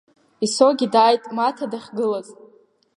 Исогьы дааит Маҭа дахьгылаз.